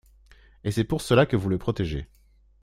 Et c’est pour cela que vous le protégez.